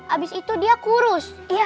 abis itu dia kurus